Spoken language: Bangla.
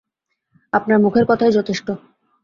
আপনার মুখের কথাই যথেষ্ট।